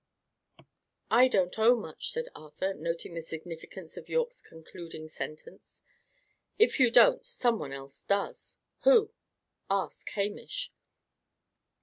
"I don't owe much," said Arthur, noting the significance of Yorke's concluding sentence. "If you don't, some one else does." "Who?" "Ask Hamish."